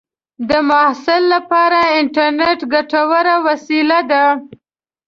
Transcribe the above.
د محصل لپاره انټرنېټ ګټوره وسیله ده.